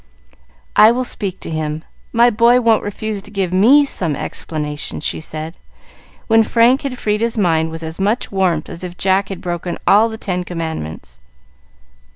"I will speak to him; my boy won't refuse to give me some explanation," she said, when Frank had freed his mind with as much warmth as if Jack had broken all the ten commandments.